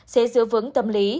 sẽ giữ vững tâm lý